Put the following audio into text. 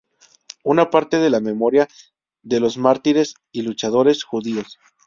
Una parte de la memoria de los mártires y luchadores judíos.